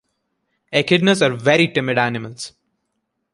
Echidnas are very timid animals.